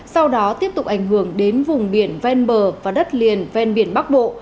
sau đó tiếp tục ảnh hưởng đến vùng biển ven bờ và đất liền ven biển bắc bộ